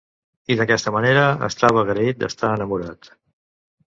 I, d'aquesta manera, estava agraït d'estar enamorat.